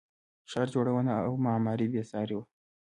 ښار جوړونه او معمارۍ بې ساري وه